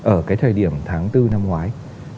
ở cái thời điểm tháng bốn năm ngoái